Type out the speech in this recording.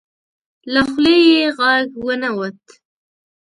له خولې یې غږ ونه وت.